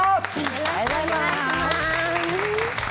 おはようございます。